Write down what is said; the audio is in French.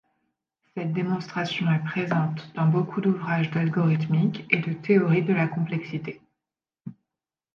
Cette démonstration est présente dans beaucoup d'ouvrage d'algorithmique et de théorie de la complexité.